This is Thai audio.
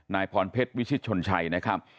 นายพรเพชรวิชิตชนชัยนะครับ